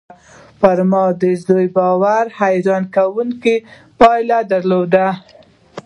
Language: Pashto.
پر ما د زوی باور حيرانوونکې پايلې درلودې